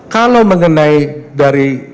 kalau mengenai dari